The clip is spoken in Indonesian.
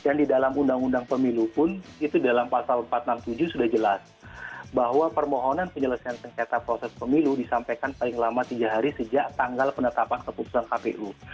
dan di dalam undang undang pemilu pun itu dalam pasal empat ratus enam puluh tujuh sudah jelas bahwa permohonan penjelasan sengketa proses pemilu disampaikan paling lama tiga hari sejak tanggal penetapan keputusan kpu